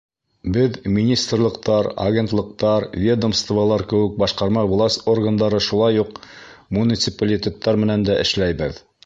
Беҙ министрлыҡтар, агентлыҡтар, ведомстволар кеүек башҡарма власть органдары, шулай уҡ муниципалитеттар менән дә эшләйбеҙ.